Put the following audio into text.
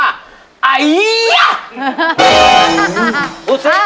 เรียกประกันแล้วยังคะ